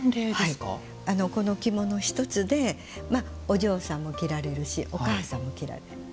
この着物１つでお嬢さんも着られるしお母さんも着られる。